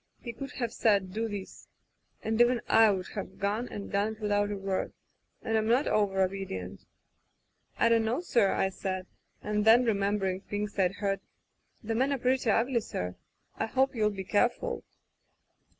He could have said: *Do this,' and even I would have gone and done it without a word, and Vm not over obedient. "*I don't know, sir,* I said, and then, re membering things Fd heard: *The men are pretty ugly, sir. I hope you'll be careful.